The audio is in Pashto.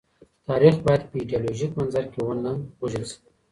تاریخ باید په ایډیالوژیک منظر کي ونه وژل سي.